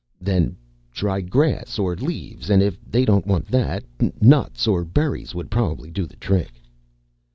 "Then try grass or leaves, and if they don't want that, nuts or berries would probably do the trick."